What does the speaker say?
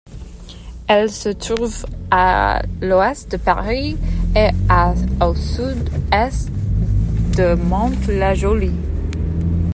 Elle se trouve à l'ouest de Paris et à au sud-est de Mantes-la-Jolie.